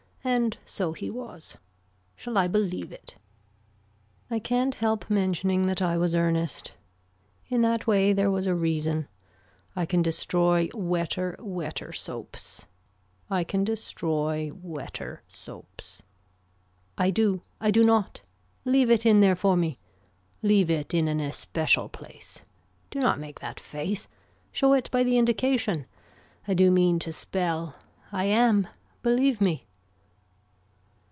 And so he was. Shall I believe it. I can't help mentioning that I was earnest. In that way there was a reason. I can destroy wetter wetter soaps. I can destroy wetter soaps. I do. I do not. Leave it in there for me. Leave it in an especial place. Do not make that face. Show it by the indication. I do mean to spell. I am. Believe me.